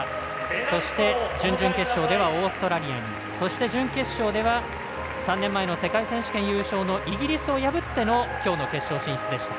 そして、準々決勝ではオーストラリアにそして準決勝では３年前の世界選手権優勝のイギリスを破ってのきょうの決勝進出でした。